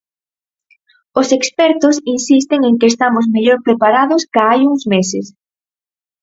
Os expertos insisten en que estamos mellor preparados ca hai uns meses.